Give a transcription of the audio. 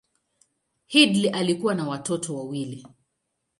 Headlee alikuwa na watoto wawili.